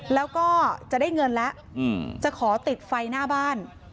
แล้วก็จะได้เงินแล้วจะขอติดไฟหน้าบ้าน